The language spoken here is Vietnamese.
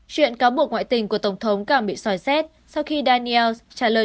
chuyện cáo buộc ngoại tình của tổng thống càng bị sỏi xét sau khi daniels trả lời